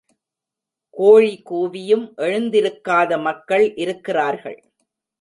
கோழி கூவியும் எழுந்திருக்காத மக்கள் இருக்கிறார்கள்.